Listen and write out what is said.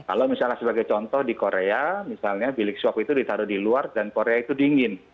kalau misalnya sebagai contoh di korea misalnya bilik swab itu ditaruh di luar dan korea itu dingin